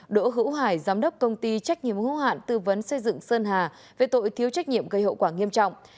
đỗ hữu hải giám đốc công ty trách nhiệm hữu hạn tư vấn xây dựng sơn hà về tội thiếu trách nhiệm gây hậu quả nghiêm trọng